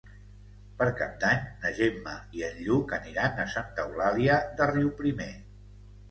Per Cap d'Any na Gemma i en Lluc aniran a Santa Eulàlia de Riuprimer.